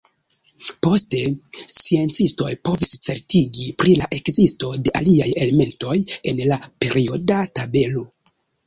Poste, sciencistoj povis certigi pri la ekzisto de aliaj elementoj en la perioda tabelo.